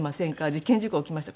事件事故が起きました。